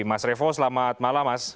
mas revo selamat malam mas